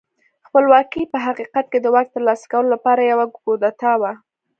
خپلواکي په حقیقت کې د واک ترلاسه کولو لپاره یوه کودتا وه.